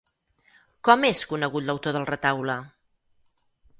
Com és conegut l'autor del retaule?